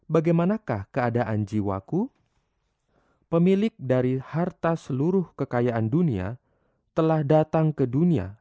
sampai jumpa di video selanjutnya